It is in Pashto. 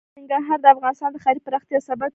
ننګرهار د افغانستان د ښاري پراختیا سبب کېږي.